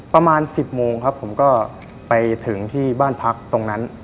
ประมาณ๑๐โมงครับผมก็ไปถึงที่บ้านพักตรงนั้น